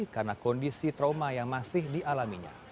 karena kondisi trauma yang masih dialaminya